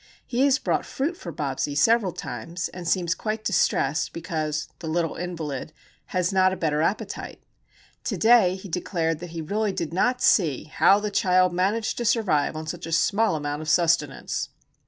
He has brought fruit for Bobsie several times, and seems quite distressed because "the little invalid" has not a better appetite. To day he declared that he really did not see "how the child managed to survive on such a small amount of sustenance."